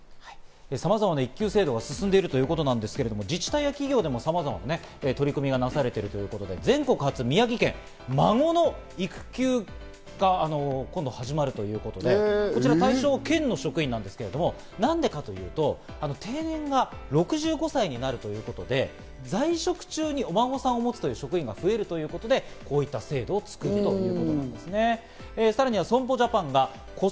さまざまな育休制度が進んでいるということなんですけど、自治体や企業でもさまざまな取り組みがなされているということで全国初、宮城県、孫の育休が今度始まるということで、こちら対象県の職員なんですけど、なんでかというと、定年が６５歳になるということで、在職中にお孫さんをもつという職員が増えるということで、こういった制度を作るということですね。